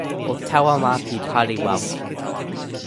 o tawa ma pi pali wawa.